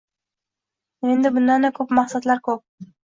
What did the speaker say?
Menda bundanda boshqa maqsadlar juda ko’p.